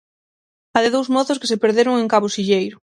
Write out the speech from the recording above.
A de dous mozos que se perderon en Cabo Silleiro.